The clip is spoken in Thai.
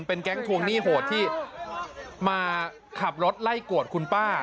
เป็นแก๊งทวงหนี้โหดที่มาขับรถไล่กวดคุณป้า